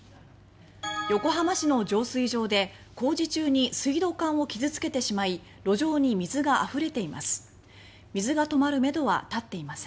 横浜市の浄水場で工事中に水道管を傷つけてしまい路上に水があふれています。